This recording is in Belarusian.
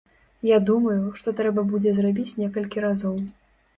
Я думаю, што трэба будзе зрабіць некалькі разоў.